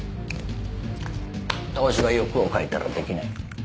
投資は欲をかいたらできない。